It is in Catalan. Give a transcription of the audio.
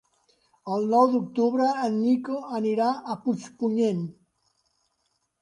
El nou d'octubre en Nico anirà a Puigpunyent.